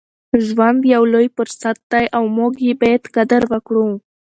ژوند یو لوی فرصت دی او موږ یې باید قدر وکړو.